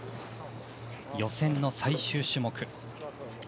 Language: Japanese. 予選の最終種目。